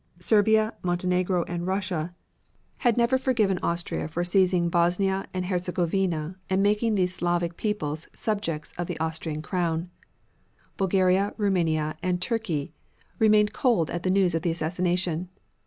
Serbia, Montenegro and Russia had never forgiven Austria for seizing Bosnia and Herzegovina and making these Slavic people subjects of the Austrian crown. Bulgaria, Roumania and Turkey remained cold at the news of the assassination.